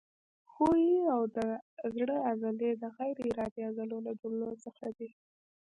ښویې او د زړه عضلې د غیر ارادي عضلو له جملو څخه دي.